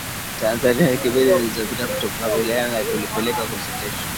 Tanzania wiki mbili zilizopita kutokukubaliana kulipelekea kusitishwa